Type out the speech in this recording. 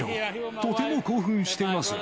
とても興奮しています。